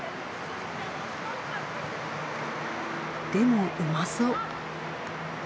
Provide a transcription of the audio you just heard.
でもうまそう。